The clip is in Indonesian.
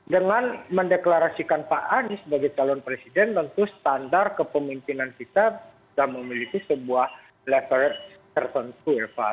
dengan mendeklarasikan pak anies sebagai calon presiden tentu standar kepemimpinan kita sudah memiliki sebuah level tertentu